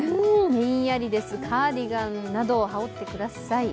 ひんやりです、カーディガンなどを羽織ってください。